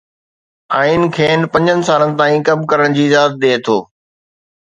آئين کين پنجن سالن تائين ڪم ڪرڻ جي اجازت ڏئي ٿو.